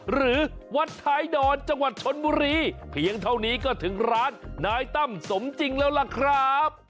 หรือวัดท้ายดอนจังหวัดชนบุรีเพียงเท่านี้ก็ถึงร้านนายตั้มสมจริงแล้วล่ะครับ